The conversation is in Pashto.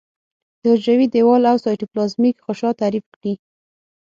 د حجروي دیوال او سایتوپلازمیک غشا تعریف کړي.